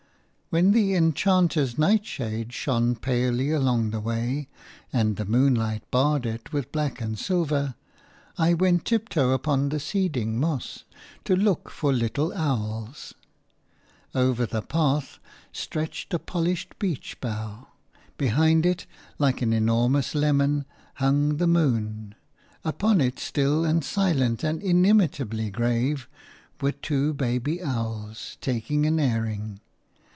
When the enchanter's nightshade shone palely along the way, and the moonlight barred it with black and silver, I went tiptoe upon the seeding moss to look for little owls. Over the path stretched a polished beech bough; behind it, like an enormous lemon, hung the moon; upon it, still and silent and inimitably grave, were two baby owls taking an airing.